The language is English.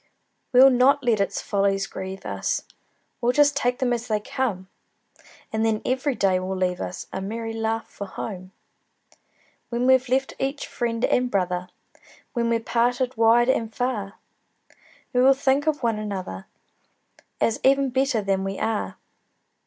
We'll not let its follies grieve us, We'll just take them as they come; And then every day will leave us A merry laugh for home. When we've left each friend and brother, When we're parted wide and far, We will think of one another, As even better than we are.